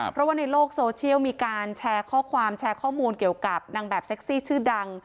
เพราะว่าในโลกโซเชียลมีการแชร์ข้อความแชร์ข้อมูลเกี่ยวกับนางแบบเซ็กซี่ชื่อดัง